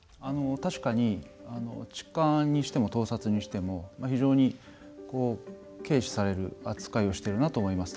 確かに痴漢にしても盗撮にしても非常に軽視される扱いをしてるなと思います。